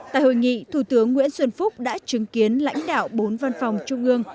tại hội nghị thủ tướng nguyễn xuân phúc đã chứng kiến lãnh đạo bốn văn phòng trung ương